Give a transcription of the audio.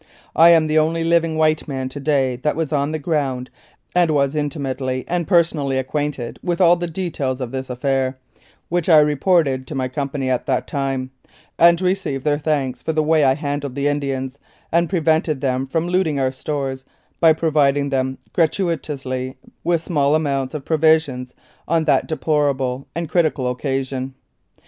I am the only living white man to day that was on the ground, and was intimately and personally acquainted with all the details of this affair, which I reported to my Company at the time, and re ceived their thanks for the way I handled the Indians and prevented them from looting our stores by provid ing them gratuitously with a small amount of provisions on that deplorable and critical occasion.